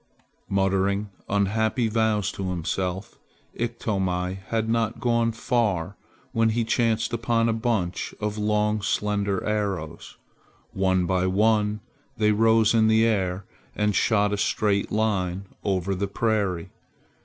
Muttering unhappy vows to himself, Iktomi had not gone far when he chanced upon a bunch of long slender arrows. One by one they rose in the air and shot a straight line over the prairie.